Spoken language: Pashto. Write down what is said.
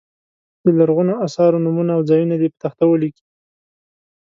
د لرغونو اثارو نومونه او ځایونه دې په تخته ولیکي.